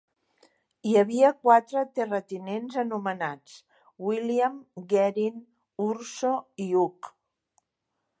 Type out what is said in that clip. Hi havia quatre terratinents anomenats William, Gerin, Urso i Hugh.